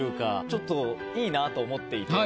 ちょっといいなと思っていて。